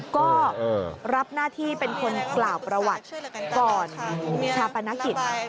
ก็รับหน้าที่เป็นคนกล่าวประวัติก่อนชาปนกิจ